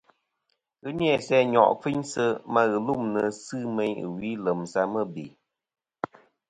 Ghɨ ni-a sɨ nyo' kfiynsɨ ma ghɨlûmnɨ sɨ meyn ɨ wi lèm sɨ mɨbè.